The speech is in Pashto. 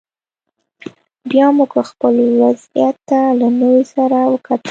بیا موږ خپل وضعیت ته له نوي سره وکتل